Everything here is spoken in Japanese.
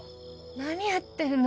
何やってるの？